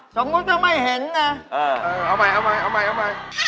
สมมุติว่าไม่เห็นนะเออเอาใหม่